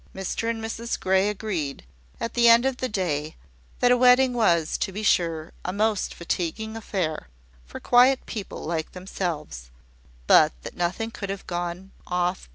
Mr and Mrs Grey agreed, at the end of the day, that a wedding was, to be sure, a most fatiguing affair for quiet people like themselves; but that nothing could have gone off better.